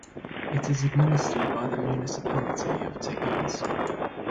It is administrated by the municipality of Teguise.